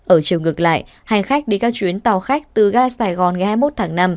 ở chiều ngược lại hành khách đi các chuyến tàu khách từ ga sài gòn ngày hai mươi một tháng năm